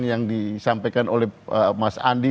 yang disampaikan oleh mas andi